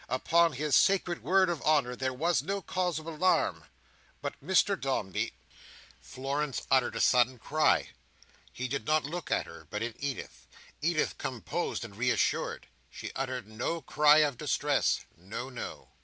Upon his sacred word of honour, there was no cause of alarm. But Mr Dombey— Florence uttered a sudden cry. He did not look at her, but at Edith. Edith composed and reassured her. She uttered no cry of distress. No, no.